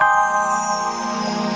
kami ingin kalian mencari